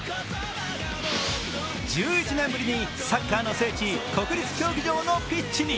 １１年ぶりにサッカーの聖地国立競技場のピッチに。